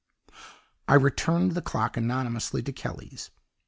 "I returned the clock anonymously to Kelly's."